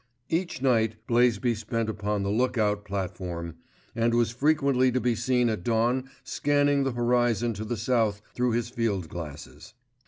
Each night Blaisby spent upon the look out platform, and was frequently to be seen at dawn scanning the horizon to the south through his field glasses.